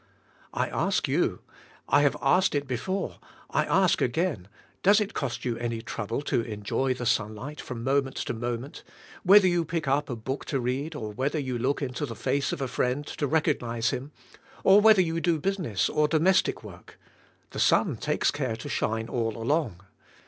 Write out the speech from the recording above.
I ask you, I have asked it before, I ask it ag ain, does it cost you any trouble to enjoy the sunlig ht from moment to moment, whether you pick up a book to read or whether you look into the face of a friend to recog nize him, or whether you do business or domestic work; the sun takes care to shine all along